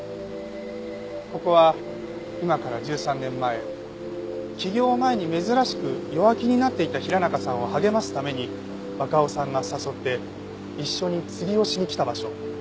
ここは今から１３年前起業前に珍しく弱気になっていた平中さんを励ますために若尾さんが誘って一緒に釣りをしに来た場所。